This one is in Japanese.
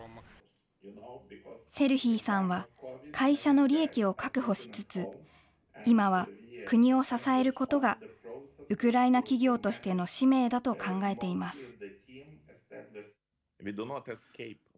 セルヒーさんは、会社の利益を確保しつつ、今は国を支えることが、ウクライナ企業としての使命だと考えています。